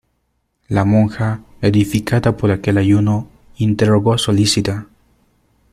la monja edificada por aquel ayuno, interrogó solícita: